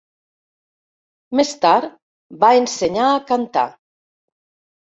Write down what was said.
Més tard va ensenyar a cantar.